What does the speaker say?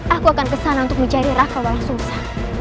aku akan kesana untuk mencari raka walang sungsang